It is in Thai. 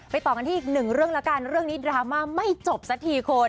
ต่อกันที่อีกหนึ่งเรื่องแล้วกันเรื่องนี้ดราม่าไม่จบสักทีคุณ